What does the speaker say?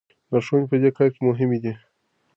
لارښوونې په دې کار کې مهمې دي.